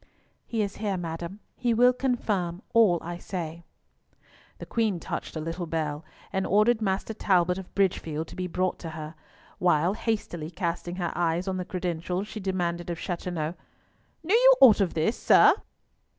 "He is here, madam. He will confirm all I say." The Queen touched a little bell, and ordered Master Talbot of Bridgefield to be brought to her, while, hastily casting her eyes on the credentials, she demanded of Chateauneuf, "Knew you aught of this, sir?"